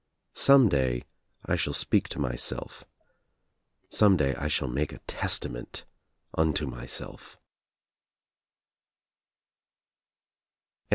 Some day I shall speak to myself. Some day I shall make a testament unto myself.